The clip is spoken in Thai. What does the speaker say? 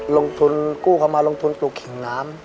ลงทุนกู้เข้ามาลงทุนปลูกขิงน้ำ